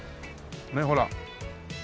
ねえほら。